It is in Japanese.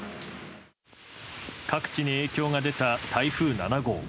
各地に影響が出た台風７号。